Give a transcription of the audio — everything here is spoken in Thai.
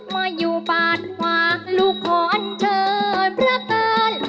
มาอยู่ปาดขวาลูกขออันเชิญพระเกิน